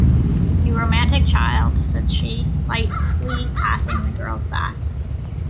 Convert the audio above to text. "You romantic child," said she, lightly patting the girl's back.